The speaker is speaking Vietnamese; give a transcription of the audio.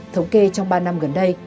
thống kê trong ba năm gần đây